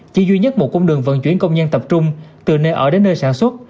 chỉ duy nhất một cung đường vận chuyển công nhân tập trung từ nơi ở đến nơi sản xuất